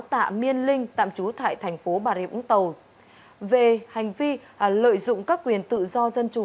tạ miên linh tạm trú tại thành phố bà rịa vũng tàu về hành vi lợi dụng các quyền tự do dân chủ